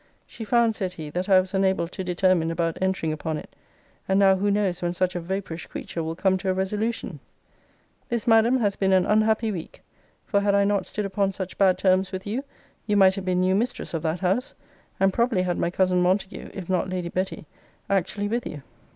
She found, said he, that I was unable to determine about entering upon it; and now who knows when such a vapourish creature will come to a resolution? This, Madam, has been an unhappy week; for had I not stood upon such bad terms with you, you might have been new mistress of that house; and probably had my cousin Montague, if not Lady Betty, actually with you.